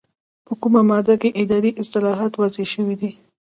په کومه ماده کې اداري اصلاحات واضح شوي دي؟